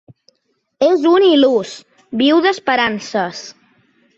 És un il·lús: viu d'esperances.